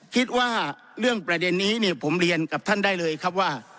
คิดว่าเรื่องประเด็นนี้เนี่ยผมเรียนกับท่านได้เลยครับว่า